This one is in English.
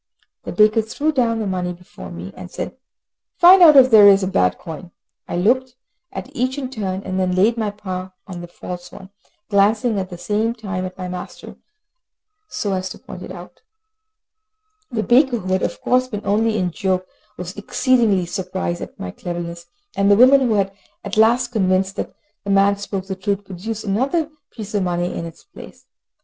The baker threw down the money before me, and said, "Find out if there is a bad coin." I looked at each in turn, and then laid my paw on the false one, glancing at the same time at my master, so as to point it out. The baker, who had of course been only in joke, was exceedingly surprised at my cleverness, and the woman, who was at last convinced that the man spoke the truth, produced another piece of money in its place.